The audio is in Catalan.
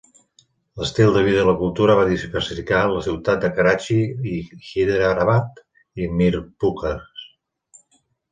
L'estil de vida i la cultura va diversificar la ciutat de Karachi i Hyderabad i Mirpurkhas.